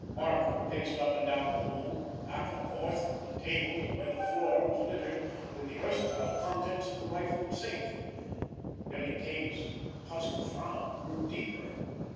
Marco paced up and down the room, back and forth, from the table to where the floor was littered with the erstwhile contents of the rifled safe. Billy Kane's puzzled frown grew deeper.